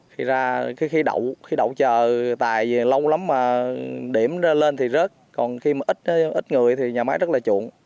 khi ra khi đậu chờ tài lâu lắm mà điểm lên thì rớt còn khi ít người thì nhà máy rất là lợi